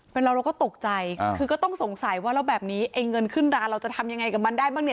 เป็นเราเราก็ตกใจคือก็ต้องสงสัยว่าแล้วแบบนี้ไอ้เงินขึ้นราเราจะทำยังไงกับมันได้บ้างเนี่ย